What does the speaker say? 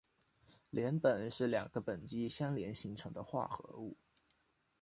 联苯是两个苯基相连形成的化合物。